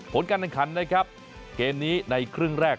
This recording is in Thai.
ผลการต่างการได้ครับเกมนี้ในครึ่งแรก